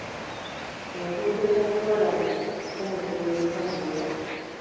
Enguudo za kkoolansi zanguya entambula.